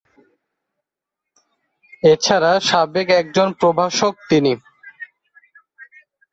এছাড়া সাবেক একজন প্রভাষক তিনি।